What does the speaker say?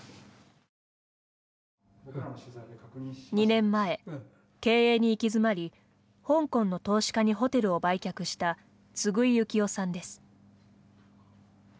２年前、経営に行き詰まり香港の投資家にホテルを売却した次井雪雄さんです。